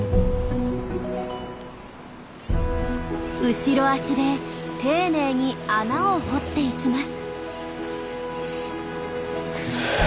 後ろ足で丁寧に穴を掘っていきます。